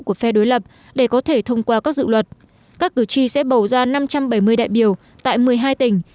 của phe đối lập để có thể thông qua các dự luật các cử tri sẽ bầu ra năm trăm bảy mươi đại biểu tại một mươi hai tỉnh